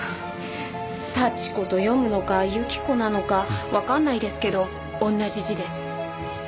「さちこ」と読むのか「ゆきこ」なのかわかんないですけど同じ字です。